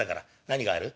何がある？